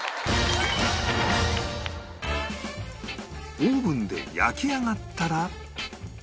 オーブンで焼き上がったら